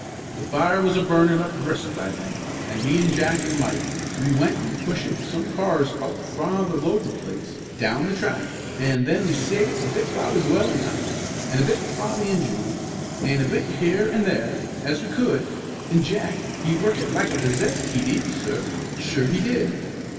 "The fire was a burnin' up brisk by then, an' me an' Jack an' Mike, we went an' pushit some cars out fra the loadin' place, down the track; an' then we savit a bit fra the dwellin' house, an' a bit fra the engine room, an' a bit here an' there, as we could; an' Jack, he workit like a' possessed, he did, sir; sure he did."